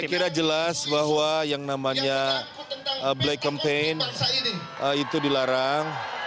saya kira jelas bahwa yang namanya black campaign itu dilarang